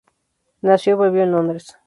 Nació y vivió en Londres.